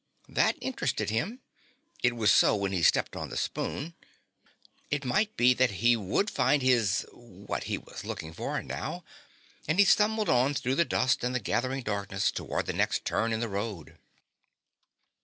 That interested him; it was so when he stepped on the spoon; it might be that he would find his what he was looking for now, and he stumbled on through the dust and the gathering darkness towards the next turn in the road.